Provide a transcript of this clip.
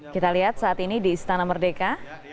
kita lihat saat ini di istana merdeka